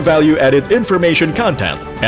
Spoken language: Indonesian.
dalam konten informasi yang berharga